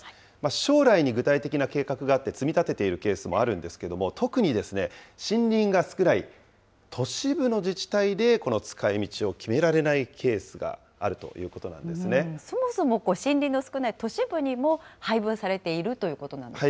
将来に具体的な計画があって、積み立てているケースもあるんですけれども、特に、森林が少ない都市部の自治体で、この使いみちを決められないケースがあるというそもそも、森林の少ない都市部にも配分されているということなんですよね。